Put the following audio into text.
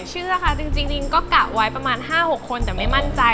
เชื่อค่ะจริงก็กะไว้ประมาณ๕๖คนแต่ไม่มั่นใจ